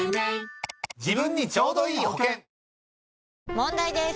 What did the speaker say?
問題です！